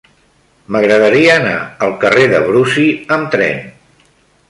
M'agradaria anar al carrer de Brusi amb tren.